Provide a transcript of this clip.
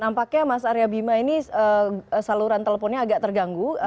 nampaknya mas arya bima ini saluran teleponnya agak terganggu